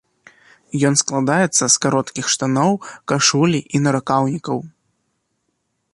Ён складаецца з кароткіх штаноў, кашулі і нарукаўнікаў.